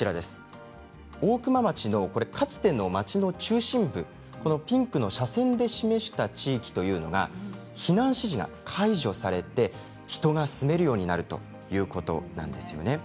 大熊町のかつての町の中心部このピンクの斜線で示した地域というのが避難指示が解除されて人が住めるようになるということなんですね。